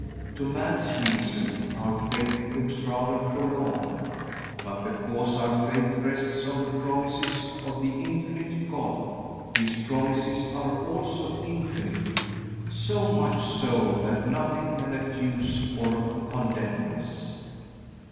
To man's reason our faith looks rather forlorn. But because our faith rests on the promises of the infinite God, His promises are also infinite, so much so that nothing can accuse or condemn us.